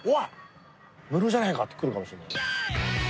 ムロじゃないか」って来るかもしれない。